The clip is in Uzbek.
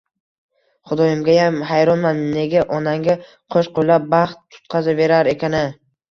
Xudoyimgayam hayronman, nega onangga qo`shqo`llab baxt tutqazaverar ekan-a